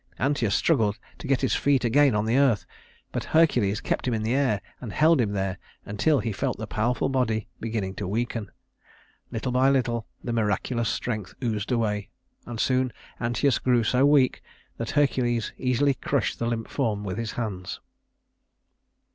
Anteus struggled to get his feet again on the earth; but Hercules kept him in the air, and held him there until he felt the powerful body beginning to weaken. Little by little the miraculous strength oozed away, and soon Anteus grew so weak that Hercules easily crushed the limp form with his hands.